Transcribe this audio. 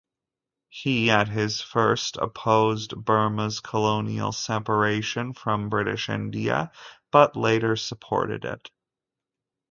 He at first opposed Burma's colonial separation from British India, but later supported it.